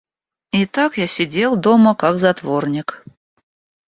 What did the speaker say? И так я сидел дома как затворник.